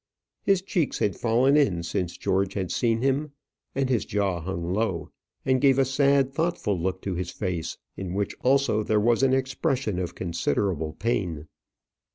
His cheeks had fallen in since George had seen him, and his jaw hung low, and gave a sad, thoughtful look to his face, in which also there was an expression of considerable pain.